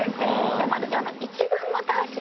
でも私。